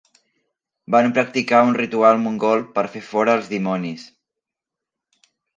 Van practicar un ritual mongol per fer fora als dimonis.